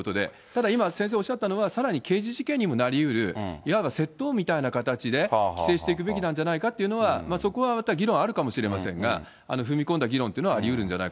ただ今先生おっしゃったのは、刑事事件にもなりうる、いわば窃盗みたいな形で規制していくべきなんじゃないかっていうのは、そこはまた議論あるかもしれませんが、踏み込んだ議論というのはありう